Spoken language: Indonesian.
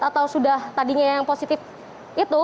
atau sudah tadinya yang positif itu